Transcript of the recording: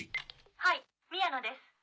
はい宮野です